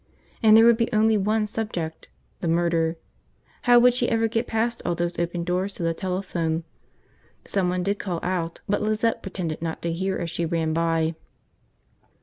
And there would be only one subject. The murder. How would she ever get past all those open doors to the telephone? Someone did call out, but Lizette pretended not to hear as she ran by.